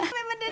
ada tim wanted